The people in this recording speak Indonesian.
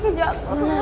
kejap bos lagi kejap